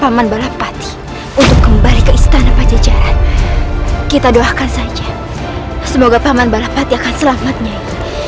paman balapati untuk kembali ke istana pajajaran kita doakan saja semoga paman balapati akan selamatnya